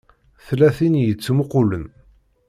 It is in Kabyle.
Tella tin i yettmuqqulen.